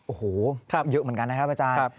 โอ้โหเยอะเหมือนกันนะครับอาจารย์